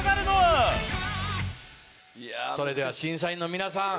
それでは審査員の皆さん